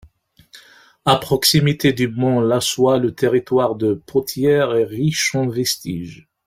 À proximité du Mont Lassois le territoire de Pothières est riche en vestiges.